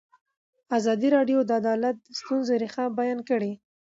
ازادي راډیو د عدالت د ستونزو رېښه بیان کړې.